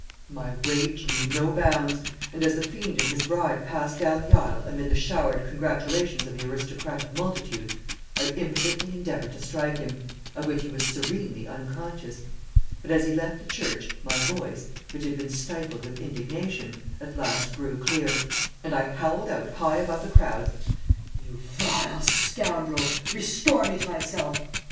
"My rage knew no bounds, and as the fiend and his bride passed down the aisle amid the showered congratulations of the aristocratic multitude, I impotently endeavoured to strike him, of which he was serenely unconscious; but as he left the church my voice, which had been stifled with indignation, at last grew clear, and I howled out high above the crowds, "'You vile scoundrel, restore me to myself!